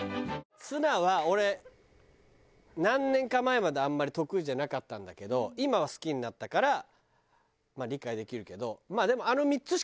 ツナは俺何年か前まであんまり得意じゃなかったんだけど今は好きになったからまあ理解できるけど。